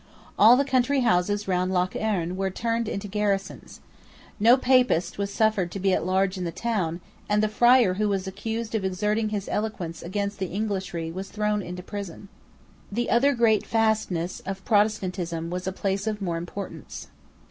All the country houses round Lough Erne were turned into garrisons. No Papist was suffered to be at large in the town; and the friar who was accused of exerting his eloquence against the Englishry was thrown into prison, The other great fastness of Protestantism was a place of more importance.